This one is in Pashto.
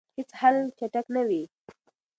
هیڅ حل چټک نه وي.